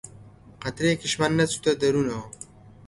قەترەیەکیشمان نەچۆتە دەروونەوە